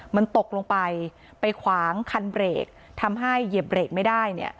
มันตกลงไปไปขวางคันเบรกทำให้เหยียบเบรกไม่ได้เนี่ย